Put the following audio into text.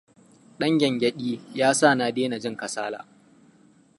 Ɗan gyangyaɗi, ya sa na dena jin kasala.